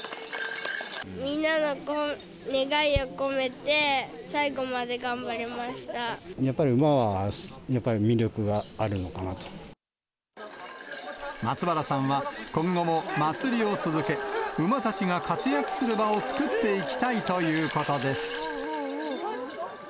みんなの願いを込めて、やっぱり馬は、やっぱり魅力松原さんは、今後も祭りを続け、馬たちが活躍する場を作っていきたいということです。